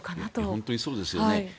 本当にそうですよね。